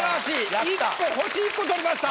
１個星１個取りました。